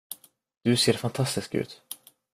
Du ser fantastisk ut.